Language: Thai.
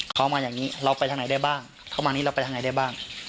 เขามาอย่างนี้เราไปทางไหนได้บ้างเข้ามานี้เราไปทางไหนได้บ้าง